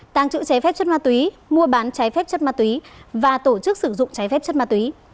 tàng trữ cháy phép chất ma túy mua bán cháy phép chất ma túy và tổ chức sử dụng cháy phép chất ma túy